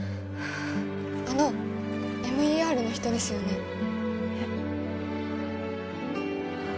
あのＭＥＲの人ですよねえっ？